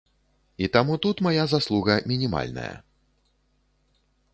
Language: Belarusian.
І таму тут мая заслуга мінімальная.